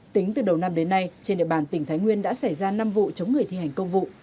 tính từ đầu năm đến nay trên địa bàn tỉnh thái nguyên đã xảy ra năm vụ chống người thi hành công vụ